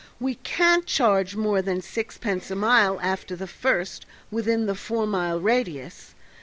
We can't charge more than sixpence a mile after the first, within the four mile radius.